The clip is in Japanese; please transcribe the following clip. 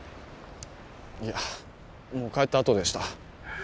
いやもう帰ったあとでした